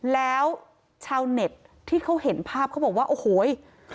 แล้วชาวเน็ตที่เขาเห็นภาพเขาบอกว่าโอ้โห